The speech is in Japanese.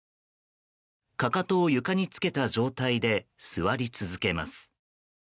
かかとを床につけた状態で座り続けます。